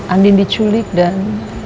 andin diculik dan